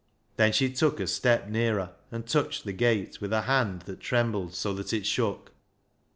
Then she took a step nearer, and touched the gate with a hand that trembled so that it shook.